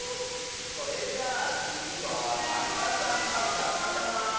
それじゃあつぎはさかさまさかさま！